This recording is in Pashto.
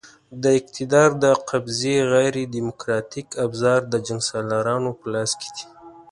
د اقتدار د قبضې غیر دیموکراتیک ابزار د جنګسالارانو په لاس کې دي.